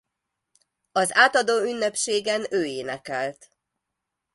Az átadó ünnepségen ő énekelt.